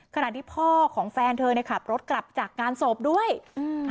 ขณะที่พ่อของแฟนเธอเนี้ยขับรถกลับจากงานศพด้วยอืม